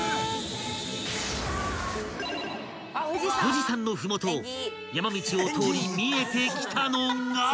［富士山の麓山道を通り見えてきたのが］